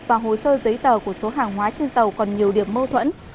và hồ sơ giấy tờ của số hàng hóa trên tàu còn nhiều điểm mâu thuẫn